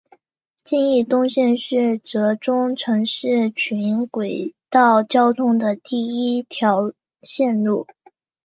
金义东线是浙中城市群轨道交通的第一条线路。